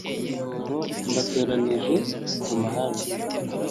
nko mbatoranije mu mahanga